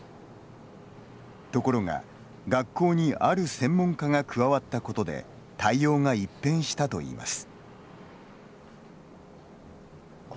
ところが、学校にある専門家が加わったことで対応が一変したといいます。